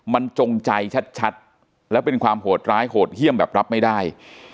มันจงใจชัดแล้วเป็นความโหดร้ายโหดเยี่ยมแบบรับไม่ได้